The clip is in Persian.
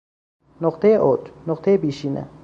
نقطهی اوج، نقطهی بیشینه